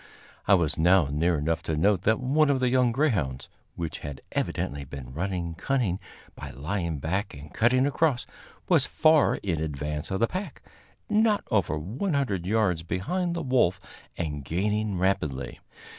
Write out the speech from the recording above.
I was now near enough to note that one of the young greyhounds, which had evidently been running cunning by lying back and cutting across, was far in advance of the pack not over 100 yards behind the wolf, and gaining rapidly.